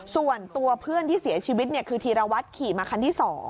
ส่วนตัวเพื่อนที่เสียชีวิตคือธีรวัตรขี่มาคันที่๒